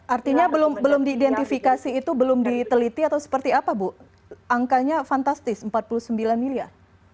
artinya belum diidentifikasi itu belum diteliti atau seperti apa bu angkanya fantastis empat puluh sembilan miliar